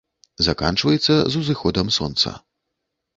Заканчваецца з узыходам сонца